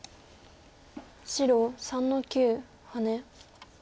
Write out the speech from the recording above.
白３の九ハネ。